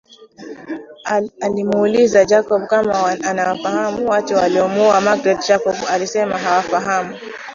Alimuuliza Jacob kama anawafahamu watu waliomuua Magreth Jacob alisema hawafahamu